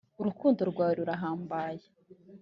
urukundo rwawe rurahambaye